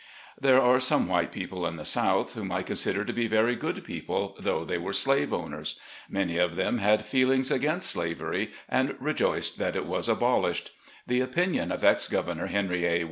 There are some white people in the South whom I consider to be very good people, though they were slave owners. Many of them had feelings against slavery, and rejoiced that it was abolished. The opinion of Ex Governor Henry A.